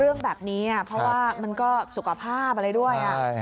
เรื่องแบบนี้เพราะว่ามันก็สุขภาพอะไรด้วย